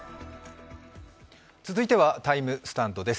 続いてはＴＩＭＥスタンドです。